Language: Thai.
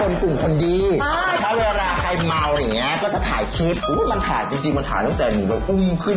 เนี้ยทำไมทำไมว่ามึงทำอะไรเมื่อคืน